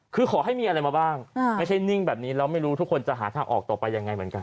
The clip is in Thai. คือขอให้มีอะไรมาบ้างไม่ใช่นิ่งแบบนี้แล้วไม่รู้ทุกคนจะหาทางออกต่อไปยังไงเหมือนกัน